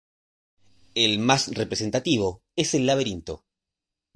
El más representativo es el "Laberinto".